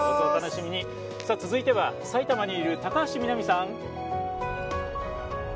続いては埼玉にいる高橋みなみさん！